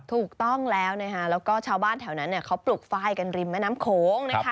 ถูกต้องแล้วแล้วตแถวนั้นเขาปลูกไฟ้กันริมแม่น้ำโขง